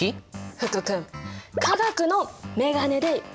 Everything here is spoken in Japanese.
福君化学のメガネで見てみて！